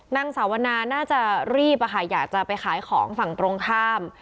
นางสาวนาน่าจะรีบอยากจะไปขายของฝั่งตรงข้าม